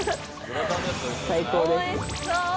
最高です。